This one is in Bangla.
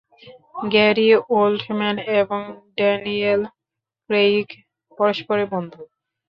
গ্যারি ওল্ডম্যান এবং ড্যানিয়েল ক্রেইগ পরস্পরের বন্ধু।